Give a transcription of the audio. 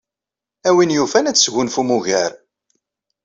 A win yufan ad tesgunfum ugar.